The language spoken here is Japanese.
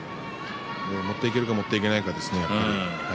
持っていけるか持っていけないかですね。